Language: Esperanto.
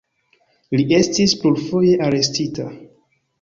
Li estis plurfoje arestita.